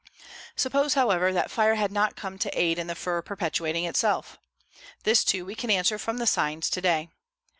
Suppose, however, that fire had not come to aid the fir in perpetuating itself? This, too, we can answer from the signs today.